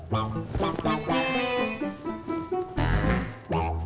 tuh kan cantik